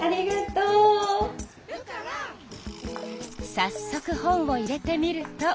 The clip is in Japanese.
さっそく本を入れてみると。